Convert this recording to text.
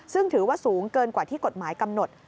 ซึ่งถือว่าสูงเกินกว่าที่กฎหมายกำหนด